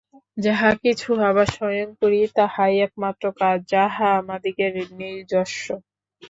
যাহা কিছু আমরা স্বয়ং করি, তাহাই একমাত্র কাজ যাহা আমাদিগের নিজস্ব।